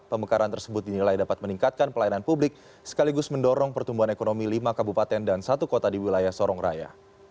pemekaran tersebut dinilai dapat meningkatkan pelayanan publik sekaligus mendorong pertumbuhan ekonomi lima kabupaten dan satu kota di wilayah sorong raya